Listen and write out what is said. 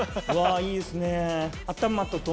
いいですね！